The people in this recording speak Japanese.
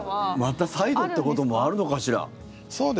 また再度ってこともあるのかしら。